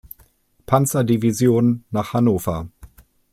Panzerdivision nach Hannover.